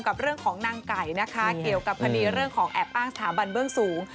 กับเรื่องของนางไก่นะคะเกี่ยวกับคดีเรื่องของแอบอ้างสถาบันเบื้องสูง